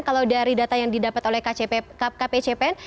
kalau dari data yang didapat oleh kpcpen